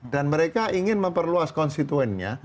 dan mereka ingin memperluas konstituennya